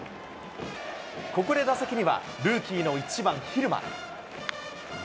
ここで打席には、ルーキーの１番蛭間。